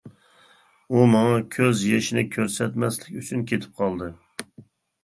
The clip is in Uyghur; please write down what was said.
ئۇ ماڭا كۆز يېشىنى كۆرسەتمەسلىك ئۈچۈن كېتىپ قالدى.